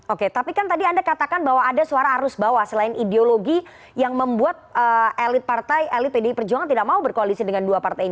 oke tapi kan tadi anda katakan bahwa ada suara arus bawah selain ideologi yang membuat elit partai elit pdi perjuangan tidak mau berkoalisi dengan dua partai ini